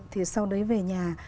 thì sau đấy về nhà